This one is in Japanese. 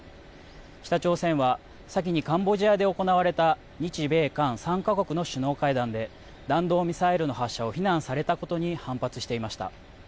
北朝鮮は先にカンボジアで行われた日米韓３か国の首脳会談で、弾道ミサイルの発射を非難されたことに反発していました。